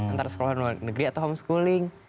antara sekolah luar negeri atau homeschooling